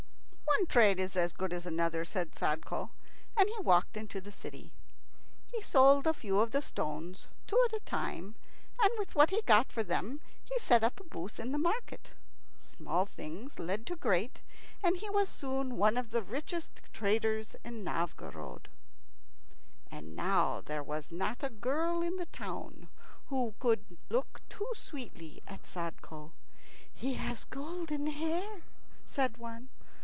"One trade is as good as another," said Sadko, and he walked into the city. He sold a few of the stones, two at a time, and with what he got for them he set up a booth in the market. Small things led to great, and he was soon one of the richest traders in Novgorod. And now there was not a girl in the town who could look too sweetly at Sadko. "He has golden hair," says one.